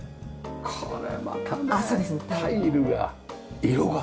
これまたタイルが色が。